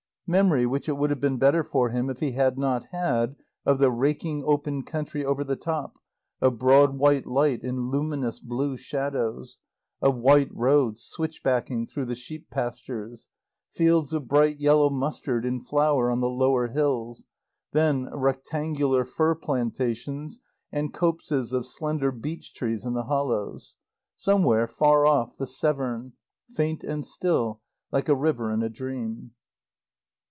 Memory which it would have been better for him if he had not had, of the raking open country over the top, of broad white light and luminous blue shadows, of white roads switchbacking through the sheep pastures; fields of bright yellow mustard in flower on the lower hills; then, rectangular fir plantations and copses of slender beech trees in the hollows. Somewhere, far off, the Severn, faint and still, like a river in a dream.